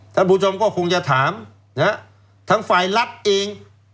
ท่านผู้ชมก็คงจะถามนะฮะทั้งฝ่ายรัฐเอง